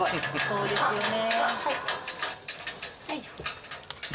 そうですよね。